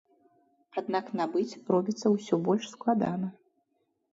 Аднак набыць робіцца ўсё больш складана.